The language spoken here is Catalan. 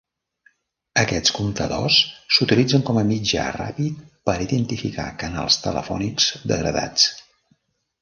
Aquests comptadors s'utilitzen com a mitjà ràpid per identificar canals telefònics degradats.